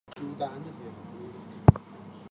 丹阳人。